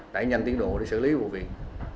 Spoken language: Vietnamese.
đẩy nhanh tiến độ để xử lý vụ việc